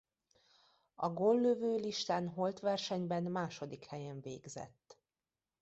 A góllövőlistán holtversenyben második helyen végzett.